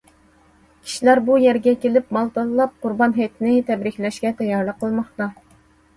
كىشىلەر بۇ يەرگە كېلىپ مال تاللاپ، قۇربان ھېيتنى تەبرىكلەشكە تەييارلىق قىلماقتا.